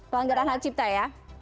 pelanggaran hak cipta ya